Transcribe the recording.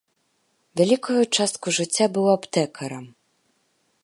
Вялікую частку жыцця быў аптэкарам.